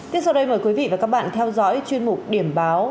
tiếp sau đây mời quý vị và các bạn theo dõi chuyên mục điểm báo